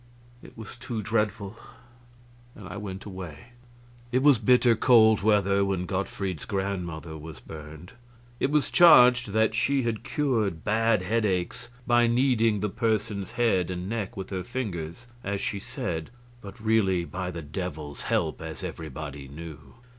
it was too dreadful, and I went away. It was bitter cold weather when Gottfried's grandmother was burned. It was charged that she had cured bad headaches by kneading the person's head and neck with her fingers as she said but really by the Devil's help, as everybody knew.